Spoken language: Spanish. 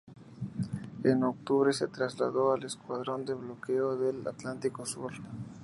En octubre se trasladó al Escuadrón de Bloqueo del Atlántico Sur.